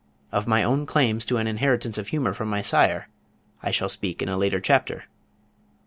Of my own claims to an inheritance of humor from my sire, I shall speak in a later chapter.